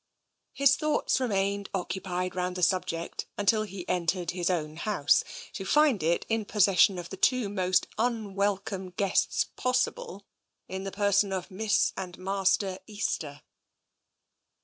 TENSION 267 His thoughts remained occupied round the subject until he entered his own house, to find it in possession of the two most unwelcome guests possible, in the per sons of Miss and Master Easter.